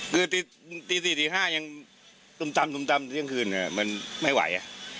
คือตีสี่ตีห้ายังตุ่มตำตุ่มตำเสียงคืนค่ะมันไม่ไหว